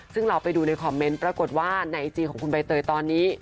ซึ่งเราไปดูในคอมเมนต์ปรากฏว่าในไอจีของคุณใบเตยตอนนี้